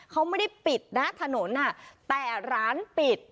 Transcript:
เขาไม่ได้ปิดนะถนนแต่ร้านปิด